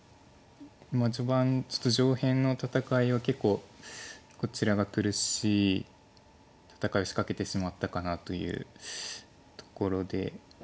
序盤ちょっと上辺の戦いは結構こちらが苦しい戦いを仕掛けてしまったかなというところで。